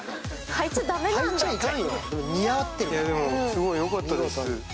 いや、でもすごいよかったです。